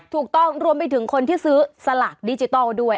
ถูกต้องรวมไปถึงคนที่ซื้อสลากดิจิทัลด้วย